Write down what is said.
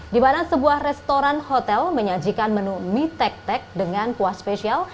di mana sebuah restoran hotel menyajikan menu mie tek tek dengan kuah spesial